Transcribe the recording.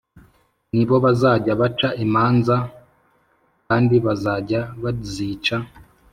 Ni bo bazajya baca imanza b kandi bazajya bazica